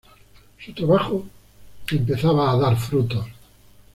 Su trabajo empezaba a dar frutos.